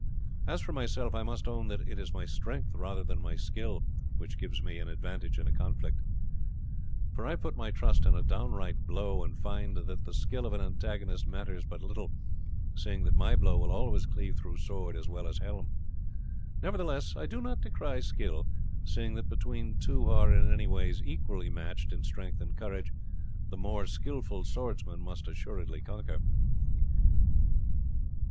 As for myself, I must own that it is my strength rather than my skill which gives me an advantage in a conflict; for I put my trust in a downright blow, and find that the skill of an antagonist matters but little, seeing that my blow will always cleave through sword as well as helm. Nevertheless I do not decry skill, seeing that between two who are in any ways equally matched in strength and courage the most skilful swordsman must assuredly conquer.